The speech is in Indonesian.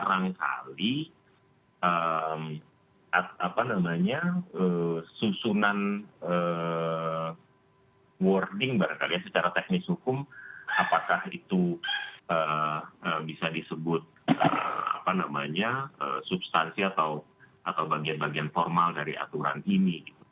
apa namanya susunan wording secara teknis hukum apakah itu bisa disebut substansi atau bagian bagian formal dari aturan ini